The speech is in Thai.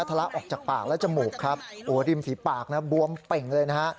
ทะลักออกจากปากและจมูกครับโอ้โหริมฝีปากนะบวมเป่งเลยนะฮะ